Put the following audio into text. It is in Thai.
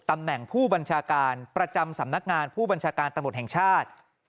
ตำแหน่งผู้บัญชาการประจำสำนักงานผู้บัญชาการตำรวจแห่งชาติ